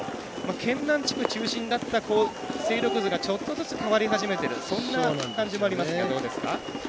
県南地区中心だった勢力図がちょっとずつ変わり始めているそんな感じがありますね。